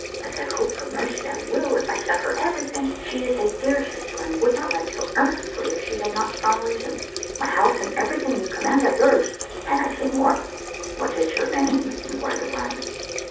"As I hope for mercy I will, if I suffer everything. She is a dear sister, and would not write so earnestly if she had not strong reasons. My house and everything you command are yours can I say more?" "What is your name?" inquired O'Brien.